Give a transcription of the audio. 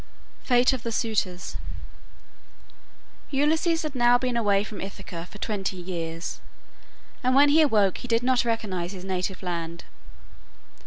FATE OF THE SUITORS Ulysses had now been away from Ithaca for twenty years, and when he awoke he did not recognize his native land.